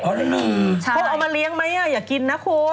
เขาเอามาเลี้ยงไหมอย่ากินนะคุณ